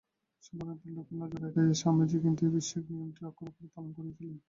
সম্পূর্ণরূপে লোকের নজর এড়াইয়া স্বামীজী কিন্তু এ-বিষয়ক নিয়মটি অক্ষরে অক্ষরে পালন করিয়াছিলেন।